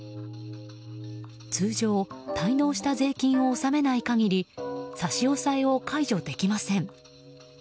通常滞納した税金を納めない限り差し押さえを解除できません。